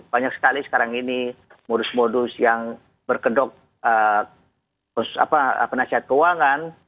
banyak sekali sekarang ini modus modus yang berkedok penasihat keuangan